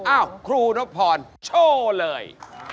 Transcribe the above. อ้าวครูนพรโชว์เลย